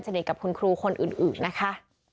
กับคุณครูคนอื่นนะคะ